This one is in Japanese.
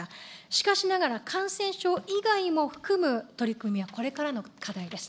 しかしながら、感染症以外も含む取り組みはこれからの課題です。